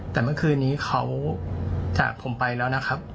แต่เมื่อคืนนี้เขาจากผมไปแล้วนะครับ